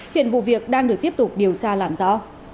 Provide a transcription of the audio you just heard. hiện vụ việc đang được tiếp tục điều tra làm rõ